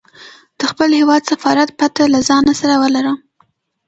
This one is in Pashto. د خپل هیواد سفارت پته له ځانه سره ولره.